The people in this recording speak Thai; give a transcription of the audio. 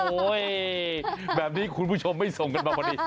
แบบนี้คุณผู้ชมไม่ส่งกันมาพอดี